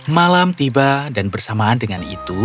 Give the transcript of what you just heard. malam tiba dan bersamaan dengan itu